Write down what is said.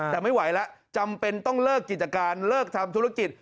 แต่ไม่ไหวแล้วจำเป็นต้องเลิกกิจการเลิกทำธุรกิจ